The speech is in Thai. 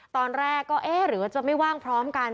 ตอนแรกก็เอ๊ะหรือว่าจะไม่ว่างพร้อมกัน